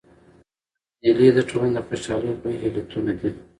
مېلې د ټولني د خوشحالۍ لوی علتونه دي.